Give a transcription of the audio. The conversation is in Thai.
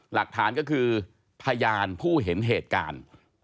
หลักฐานก็คือพยานผู้เห็นเหตุการณ์